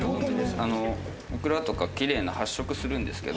オクラとかキレイな発色をするんですけど。